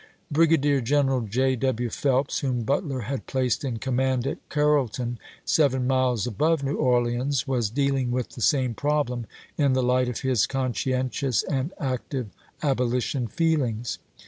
Brigadier Greneral J. W. Phelps, whom Butler had placed in command at Carrollton, seven miles above New Orleans, was dealing with the same problem in the light of his conscientious and active abolition feelings.